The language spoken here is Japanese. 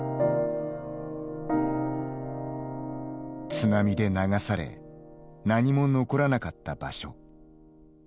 津波で流され何も残らなかった場所。